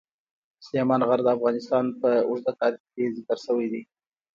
سلیمان غر د افغانستان په اوږده تاریخ کې ذکر شوی دی.